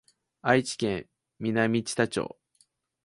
愛知県南知多町